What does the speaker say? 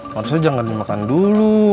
harusnya jangan dimakan dulu